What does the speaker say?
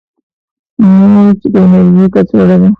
موج د انرژي کڅوړه ده.